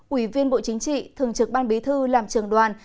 ủy viên bộ chính trị thường trực ban bí thư làm trưởng đoàn